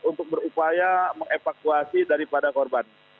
untuk berupaya mengevakuasi daripada korban